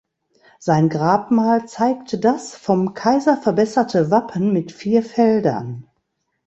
Sein Grabmal zeigte das vom Kaiser verbesserte Wappen mit vier Feldern.